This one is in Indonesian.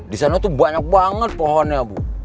di sana tuh banyak banget pohonnya bu